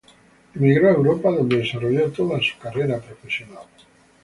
Emigró a Europa donde desarrolló toda su carrera profesional.